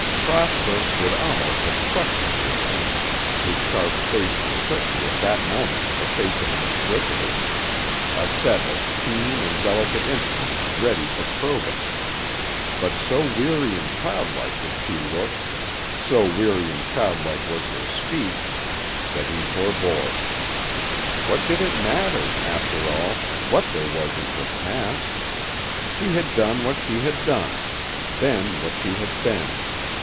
Prosper would almost have questioned her then, his sharp face was certainly at that moment the face of an inquisitor, a set of keen and delicate instruments ready for probing, but so weary and childlike did she look, so weary and childlike was her speech, that he forbore. What did it matter, after all, what there was in her past? She had done what she had done, been what she had been.